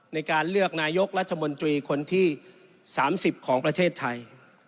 ในการเลือกนายกรัฐมนตรีคนที่๓๐ของประเทศไทย